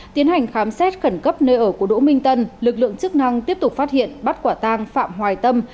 tiến hành khám xét khẩn cấp nơi ở của đỗ minh tân lực lượng chức năng tiếp tục phát hiện bắt quả tang phạm hoài tâm